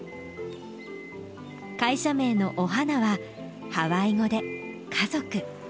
会社名の「おはな」はハワイ語で「家族」。